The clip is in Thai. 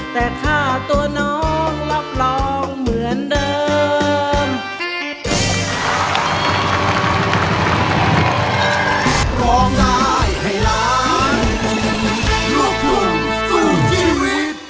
แต่ค่าตัวน้องรับรองเหมือนเดิม